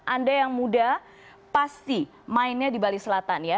anda yang muda pasti mainnya di bali selatan ya